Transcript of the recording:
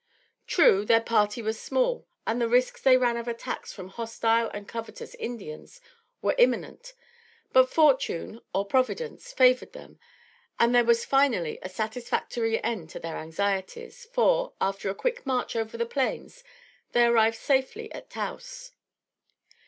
True, their party was small and the risks they ran of attacks from hostile and covetous Indians were imminent; but, fortune, or Providence favored them and there was finally a satisfactory end to their anxieties; for, after a quick march over the plains, they arrived safely at Taos.